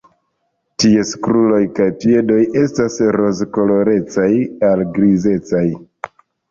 Ties kruroj kaj piedoj estas rozkolorecaj al grizecaj.